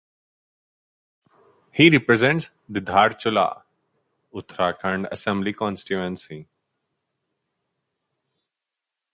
He represents the Dharchula (Uttarakhand Assembly constituency).